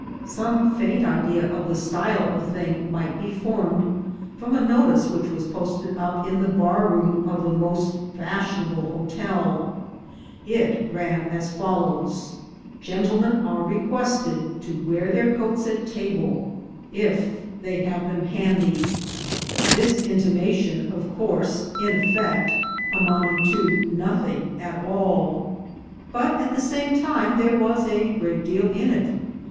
Some faint idea of the style of thing might be formed from a notice which was posted up in the bar room of the most fashionable hotel. It ran as follows: "Gentlemen are requested to wear their coats at table, if they have 44. THE GOLD HUNTERS them handy." This intimation, of course, in effect amounted to nothing at all, but at the same time there was a great deal in it.